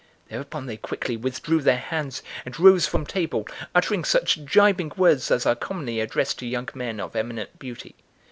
Thereupon they quickly withdrew their hands and rose from table, uttering such gibing words as are commonly addressed to young men of eminent beauty.